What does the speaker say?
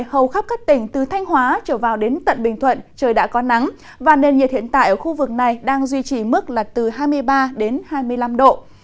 hầu khắp các tỉnh từ thanh hóa trở vào đến tận bình thuận trời đã có nắng và nền nhiệt hiện tại ở khu vực này đang duy trì mức là từ hai mươi ba đến hai mươi năm độ